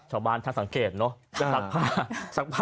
ชาวบ้านท่านสังเกตเนอะและสักผ้า